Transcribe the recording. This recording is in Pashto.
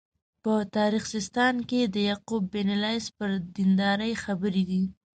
په تاریخ سیستان کې د یعقوب بن لیث پر دینداري خبرې دي.